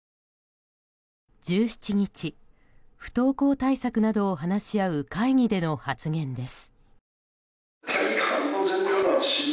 １７日、不登校対策などを話し合う会議での発言です。